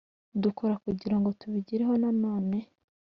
dukora kugira ngo tubigereho Nanone